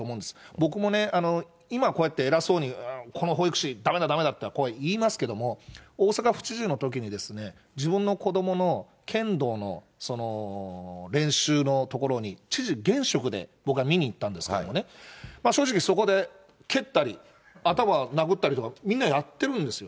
僕もね、今こうやって偉そうに、この保育士だめだ、だめだって、言いますけど、大阪府知事のときに、自分の子どもの剣道の練習の所に知事、現職で僕は見に行ったんですけれどもね、正直、そこで蹴ったり、頭殴ったりとか、みんなやってるんですよ。